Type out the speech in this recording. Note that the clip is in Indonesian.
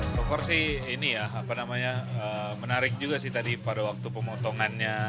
prokor sih ini ya apa namanya menarik juga sih tadi pada waktu pemotongannya